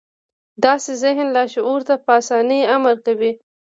داسې ذهن لاشعور ته په اسانۍ امر کوي